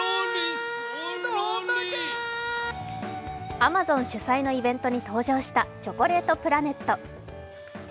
Ａｍａｚｏｎ主催のイベントに登場したチョコレートプラネット。